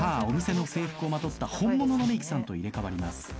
お店の制服をまとった本物のメイクさんと入れ替わります。